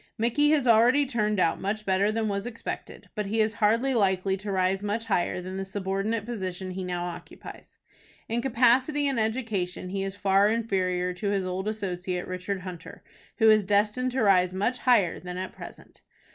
Micky has already turned out much better than was expected, but he is hardly likely to rise much higher than the subordinate position he now occupies. In capacity and education he is far inferior to his old associate, Richard Hunter, who is destined to rise much higher than at present.